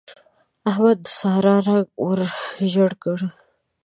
احمد د سارا رنګ ور ژړ کړ.